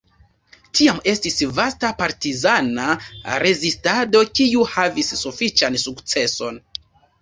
Tiam estis vasta partizana rezistado, kiu havis sufiĉan sukceson.